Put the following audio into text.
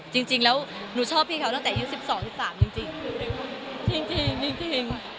จริงแล้วหนูชอบพี่เค้าตั้งแต่ใน๑๒๑๓จริง